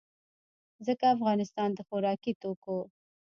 ځکه افغانستان د خوراکي توکو